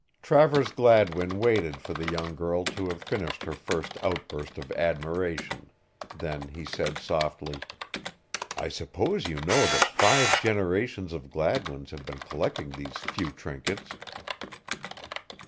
Travers Gladwin waited for the young girl to have finished her first outburst of admiration. Then he said softly: "I suppose you know that five generations of Gladwins have been collecting these few trinkets?"